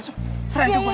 serein kekuat cepet